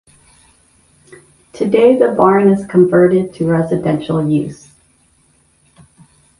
Today the barn is converted to residential use.